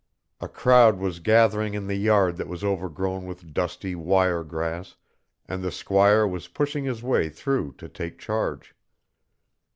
A crowd was gathering in the yard that was overgrown with dusty wire grass, and the squire was pushing his way through to take charge.